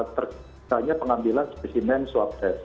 terjadi pengambilan spesimen swab test